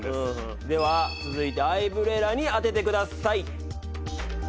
では続いてはアイブレラに当ててください。